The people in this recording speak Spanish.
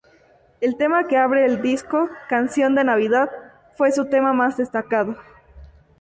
El tema que abre el disco, "Canción de Navidad", fue su tema más destacado.